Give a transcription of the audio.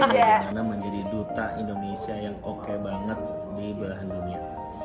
karena menjadi duta indonesia yang oke banget di barah dunia